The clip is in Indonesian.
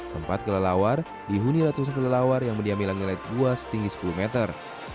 tempat kelelawar dihuni ratusan kelelawar yang mendiamilang nilai buah setinggi sepuluh meter